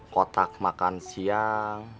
kotak makan siang